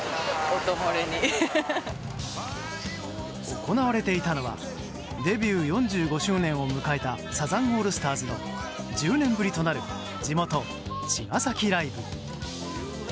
行われていたのはデビュー４５周年を迎えたサザンオールスターズの１０年ぶりとなる地元・茅ヶ崎ライブ。